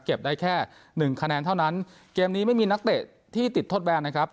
ได้แค่หนึ่งคะแนนเท่านั้นเกมนี้ไม่มีนักเตะที่ติดทดแบนนะครับ